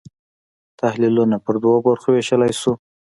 تحلیلونه پر دوو برخو وېشلای شو.